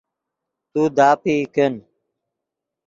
تو داپئی کن